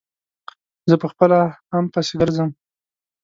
زه په خپله هم پسې ګرځم.